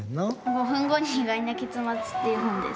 「５分後に意外な結末」っていう本です。